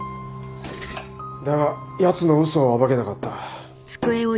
だがやつの嘘を暴けなかった。